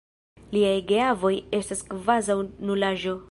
Liaj geavoj estas kvazaŭ nulaĵo.